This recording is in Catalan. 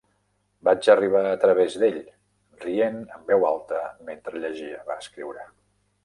"Vaig arribar a través d'ell, rient en veu alta mentre llegia", va escriure.